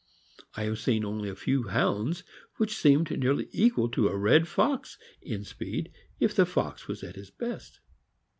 I have seen only a few Hounds which seemed nearly equal to a red fox in speed, if the fox was at his best.